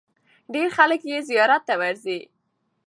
ډېر خلک یې زیارت ته ورځي.